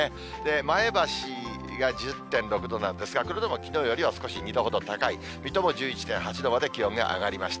前橋が１０．６度なんですが、これでもきのうよりは少し２度ほど高い、水戸も１１．８度まで気温が上がりました。